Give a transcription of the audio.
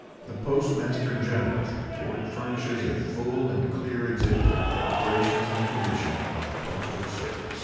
The Postmaster General's report furnishes a full and clear exhibit of the operations and condition of the postal service.